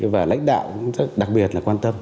và cũng rất đặc biệt là quan tâm